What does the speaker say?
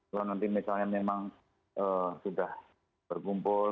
kalau nanti misalnya memang sudah berkumpul